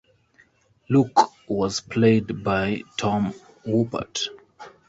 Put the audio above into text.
Luke was played by Tom Wopat.